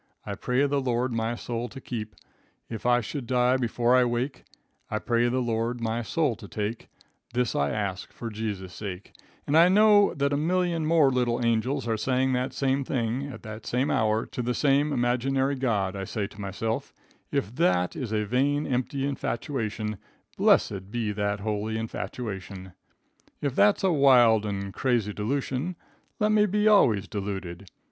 I pray the Lord my soul to keep; If I should die before I wake, I pray the Lord my soul to take: This I ask for Jesus' sake;' "and I know that a million more little angels are saying that same thing, at that same hour, to the same imaginary God, I say to myself, if that is a vain, empty infatuation, blessed be that holy infatuation. "If that's a wild and crazy delusion, let me be always deluded.